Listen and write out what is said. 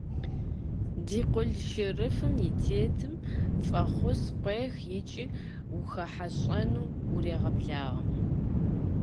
– Ди къулъшырыфым и тетым фӀэхъус къуех икӀи ухуэхьэщӀэну урегъэблагъэ.